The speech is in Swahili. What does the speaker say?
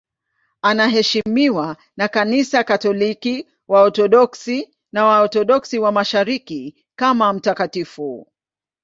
Anaheshimiwa na Kanisa Katoliki, Waorthodoksi na Waorthodoksi wa Mashariki kama mtakatifu.